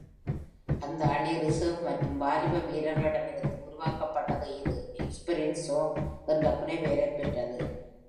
அந்த அணி ரிசர்வ் மற்றும் வாலிப வீரர்களிடம் இருந்து உருவாக்கப்பட்டது, இது”Expressinho” என்ற புனைப்பெயரைப் பெற்றது.